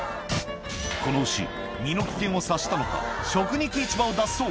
この牛身の危険を察したのか食肉市場を脱走！